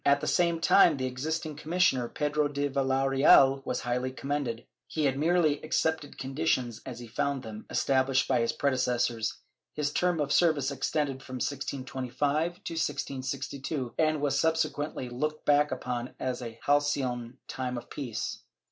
At the same time the existing commissioner, Pedro de Villareal, was highly commended. He had merely accepted conditions as he found them established by his predecessors; his term of service extended from 1625 to 1662 and was subsequently looked back upon as a halcyon time of peace.